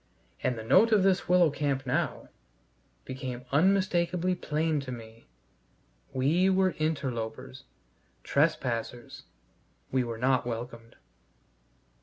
And the note of this willow camp now became unmistakably plain to me: we were interlopers, trespassers, we were not welcomed.